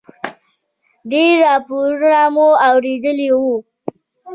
ډېر راپورونه مو اورېدلي و.